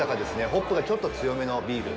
ホップがちょっと強めのビール。